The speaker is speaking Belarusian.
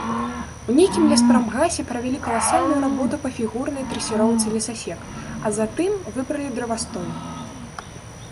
У нейкім леспрамгасе правялі каласальную работу па фігурнай трасіроўцы лесасек, а затым выбралі дрэвастой.